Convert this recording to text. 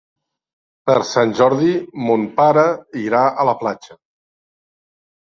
Per Sant Jordi mon pare irà a la platja.